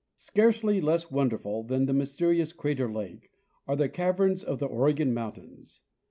Scarcely less wonderful than the mysterious Crater lake are the caverns of the Oregon mountains.